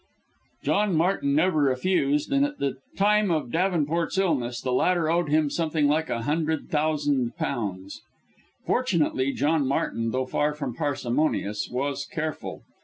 John Martin never refused, and at the time of Davenport's illness, the latter owed him something like a hundred thousand pounds. Fortunately John Martin, though far from parsimonious, was careful.